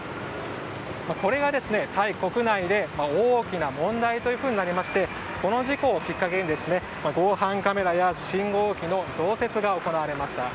これがタイ国内で大きな問題となりましてこの事故をきっかけに防犯カメラや信号機の増設が行われました。